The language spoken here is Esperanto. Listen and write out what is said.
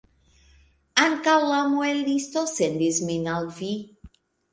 Ankaŭ la muelisto sendis min al vi.